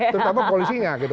tentang polisinya gitu